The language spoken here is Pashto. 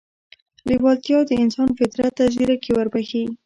لېوالتیا د انسان فطرت ته ځيرکي وربښي.